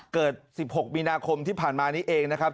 เกิด๑๖มีนาคมที่ผ่านมานี้เองนะครับ